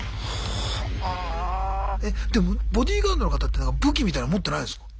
えでもボディーガードの方っていうのは武器みたいの持ってないんすか？